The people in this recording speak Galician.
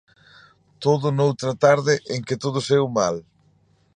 Todo noutra tarde en que todo saíu mal.